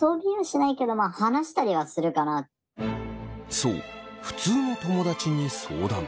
そう普通の友だちに相談。